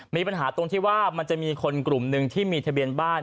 มีปัญหาตรงที่ว่ามันจะมีคนกลุ่มหนึ่งที่มีทะเบียนบ้าน